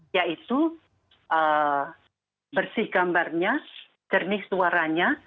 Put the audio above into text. yaitu bersih gambarnya jernih suaranya